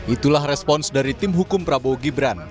itulah respons dari tim hukum prabowo gibran